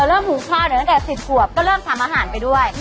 เริ่มหุงข้าวตั้งแต่๑๐ขวบก็เริ่มทำอาหารไปด้วย